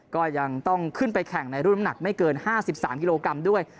ก็ยังต้องขึ้นไปแข่งในรุ่นน้ำหนักไม่เกิน๕๓กิโลกรัมด้วย